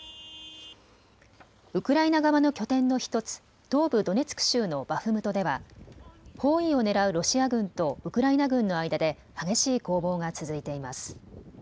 ウクライナ側の拠点の１つ東部ドネツク州のバフムトでは包囲をねらうロシア軍とウクライナ軍の間で激しい攻防が続いています。